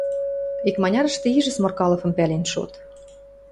Икманярышты ижӹ Сморкаловым пӓлен шот.